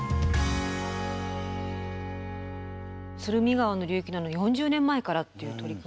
川の流域のあの４０年前からっていう取り組み。